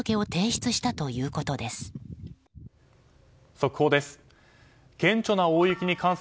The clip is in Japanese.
速報です。